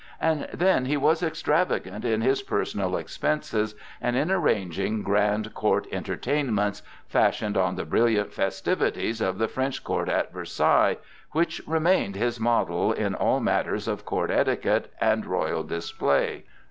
And then, he was extravagant in his personal expenses and in arranging grand court entertainments fashioned on the brilliant festivities of the French court at Versailles, which remained his model in all matters of court etiquette and royal display.